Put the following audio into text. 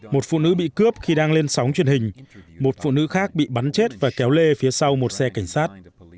một phụ nữ bị cướp khi đang lên sóng truyền hình một phụ nữ khác bị bắn chết và kéo lê phía sau một xe cảnh sát